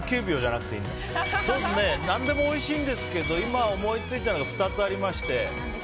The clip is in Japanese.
なんでもおいしいんですけど今思いついたのが２つありまして。